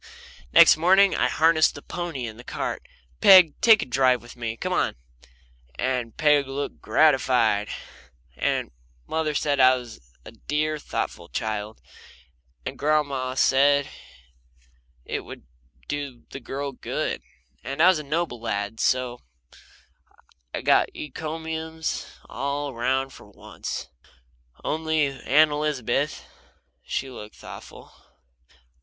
Next morning I harnessed the pony in the cart and said, "Peg take a drive with me come on," and Peg looked grattyfied, and mother said I was a dear, thoughtful child, and grandma said it would do the girl good, and I was a noble lad. So I got encombiums all round for once. Only Aunt Elizabeth she looked thoughtful.